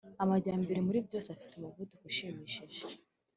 amajyambere muri byose afite umuvuduko ushimishije